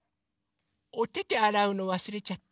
おててあらうのわすれちゃった。